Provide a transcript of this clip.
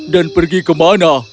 dan pergi ke mana